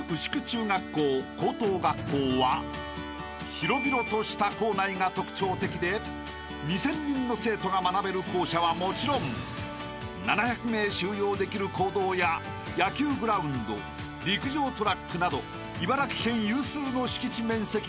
［広々とした校内が特徴的で２，０００人の生徒が学べる校舎はもちろん７００名収容できる講堂や野球グラウンド陸上トラックなど茨城県有数の敷地面積を誇る］